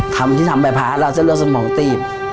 ทำที่ทำใบพัดแล้วเส้นเลือดสมองตีบ